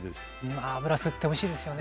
油吸っておいしいですよね。